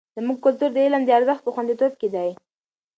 زموږ کلتور د علم د ارزښت په خوندیتوب کې دی.